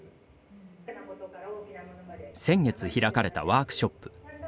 先月、開かれたワークショップ。